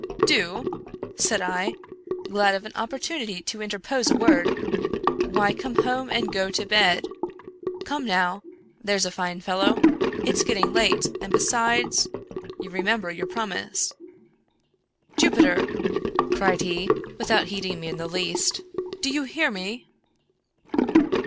" Do !" said I, glad of an opportunity to interpose a word, " why come home and go to bed. Come now !— that's a fine fellow. It's getting late, and, besides, you re member your promise." " Jupiter," cried he, without heeding me in the least, " do y6u hear me